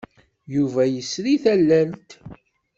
Yuba yesri tallalt.